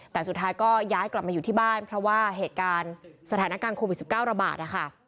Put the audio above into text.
แต่สุดท้ายก็ย้ายกลับมาอยู่ที่บ้านเพราะว่าเหตุการณ์สถานการณ์โควิด๑๙ระบาดนะคะ